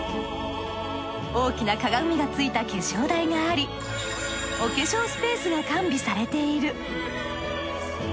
大きな鏡がついた化粧台がありお化粧スペースが完備されている。